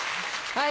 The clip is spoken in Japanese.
はい。